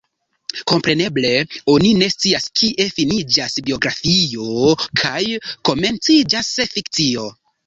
Kompreneble oni ne scias, kie finiĝas biografio kaj komenciĝas fikcio.